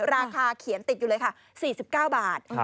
ราคาเขียนติดอยู่เลยค่ะ๔๙บาท